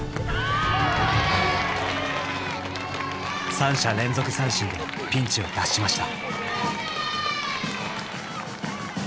三者連続三振でピンチを脱しました。